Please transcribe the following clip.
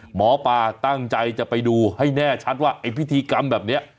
หมอปลาตั้งใจจะไปดูให้แน่ชัดว่าไอ้พิธีกรรมแบบนี้